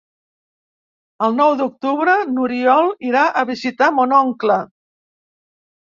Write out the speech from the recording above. El nou d'octubre n'Oriol irà a visitar mon oncle.